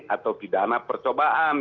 atau pidana percobaan